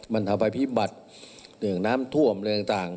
มันเท่าไหร่พิบัติเรื่องน้ำท่วมเรื่องต่าง